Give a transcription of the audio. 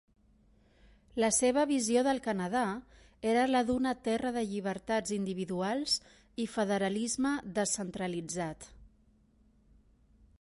La seva visió del Canadà era la d'una terra de llibertats individuals i federalisme descentralitzat.